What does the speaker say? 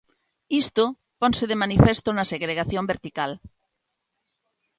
Isto ponse de manifesto na segregación vertical.